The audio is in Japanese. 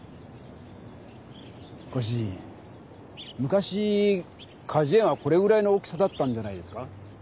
ご主人昔かじゅ園はこれぐらいの大きさだったんじゃないですか？